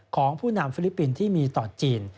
ของผู้นำฟิลิปปินส์ที่มีต่อจีน